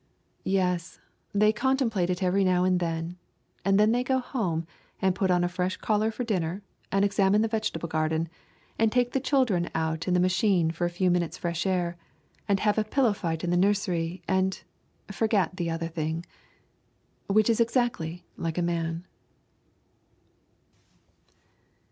Yes, they contemplate it every now and then, and then they go home, and put on a fresh collar for dinner, and examine the vegetable garden, and take the children out in the machine for a few minutes' fresh air, and have a pillow fight in the nursery, and forget the other thing. Which is exactly like a man.